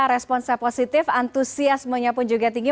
responsnya positif antusiasmenya pun juga tinggi